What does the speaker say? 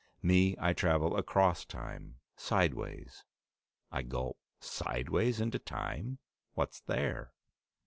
Me, I travel across time, sideways!" I gulped. "Sideways into time! What's there?"